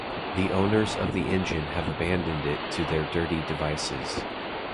The owners of the engine have abandoned it to their dirty devices.